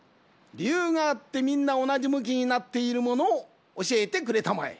りゆうがあってみんなおなじむきになっているものをおしえてくれたまえ。